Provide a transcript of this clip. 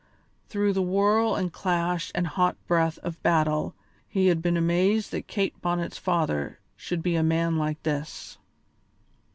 Through the whirl and clash and hot breath of battle he had been amazed that Kate Bonnet's father should be a man like this.